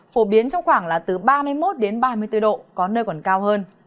phổ biến trong khoảng là từ ba mươi một đến ba mươi bốn độ có nơi còn cao hơn